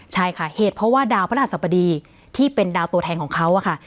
ใช่ค่ะเหตุเพราะว่าดาวพระราชสัปดีที่เป็นดาวตัวแทนของเขาอะค่ะ